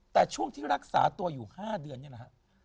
แต่ช่วงที่รักษาตัวอยู่๕เดือนนี่แหละฮะ